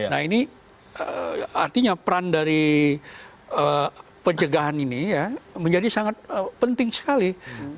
nah ini artinya peran dari pencegahan ini menjadi sangat penting sekali